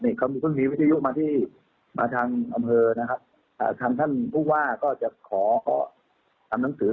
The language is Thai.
แต่รู้สึกวิทยวุมาที่ทางบังเฮอชั้นพูดว่าก็ขอทำหนังสือ